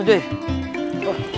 untuk mengetahui video terbaru